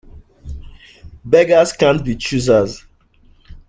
Beggars can't be choosers.